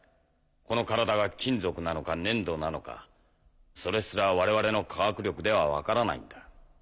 この体が金属なのか粘土なのかそれすら我々の科学力では分からないんだ。